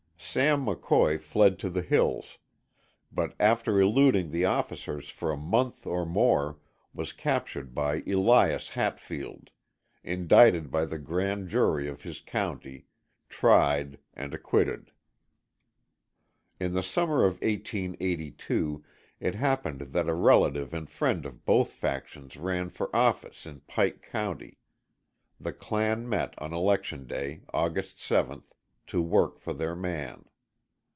Sam McCoy fled to the hills, but after eluding the officers for a month or more was captured by Elias Hatfield, indicted by the grand jury of his county, tried and acquitted. In the summer of 1882 it happened that a relative and friend of both factions ran for office in Pike County. The clans met on election day, August 7th, to work for their man.